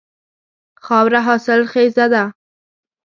خاوره حاصل خیزه ده.